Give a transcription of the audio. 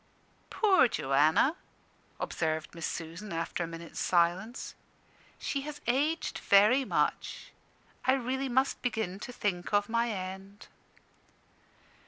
"Poor Joanna!" observed Miss Susan, after a minute's silence. "She has aged very much. I really must begin to think of my end."